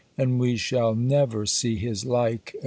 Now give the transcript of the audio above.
And we shall never see his like again.